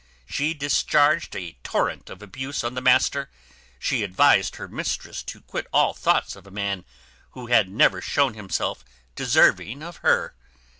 She discharged a torrent of abuse on the master, and advised her mistress to quit all thoughts of a man who had never shown himself deserving of her.